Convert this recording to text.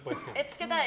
つけたい。